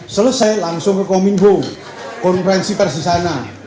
selesai langsung ke kominfo konferensi pers di sana